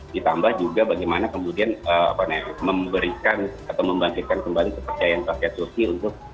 ditambah juga bagaimana kemudian memberikan atau membangkitkan kembali kepercayaan rakyat turki untuk